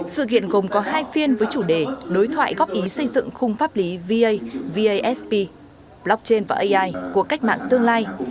sự kiện gồm có hai phiên với chủ đề đối thoại góp ý xây dựng khung pháp lý va vaspchin và ai của cách mạng tương lai